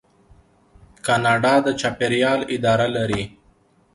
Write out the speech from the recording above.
کاناډا د چاپیریال اداره لري.